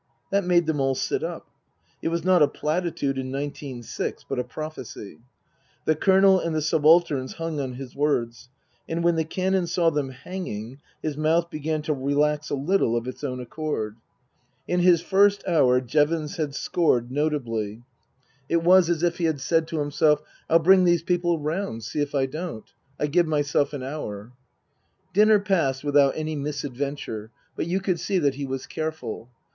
That made them all sit up. (It was not a platitude in nineteen six, but a prophecy.) The Colonel and the subalterns hung on his words ; and when the Canon saw them hanging, his mouth began to relax a little of its own accord. In his first hour Jevons had scored, notably. Book II : Her Book 135 It was as if he had said to himself, "Til bring these people round, see if I don't. I give myself an hour." Dinner passed without any misadventure, but you could see that he was careful.